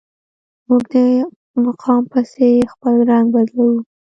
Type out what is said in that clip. موږ د مقام پسې خپل رنګ بدلوو.